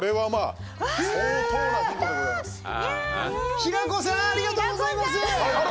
平子さんありがとうございます！